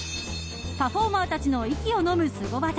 パフォーマーたちの息をのむスゴ技。